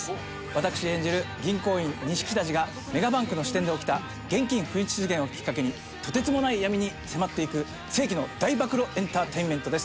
私演じる銀行員西木たちがメガバンクの支店で起きた現金紛失事件をきっかけにとてつもない闇に迫っていく世紀の大暴露エンターテインメントです。